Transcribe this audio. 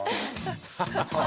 ハハハハ。